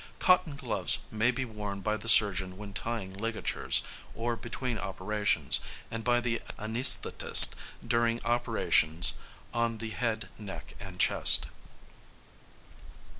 Cotton gloves may be worn by the surgeon when tying ligatures, or between operations, and by the anæsthetist during operations on the head, neck, and chest.